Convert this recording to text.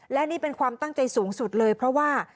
และนี่เป็นความตั้งใจสูงสุดเลยเพราะว่า